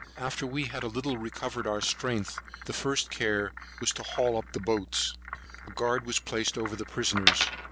After we had a little recovered our strength, the first care was to haul up the boats. A guard was placed over the prisoners.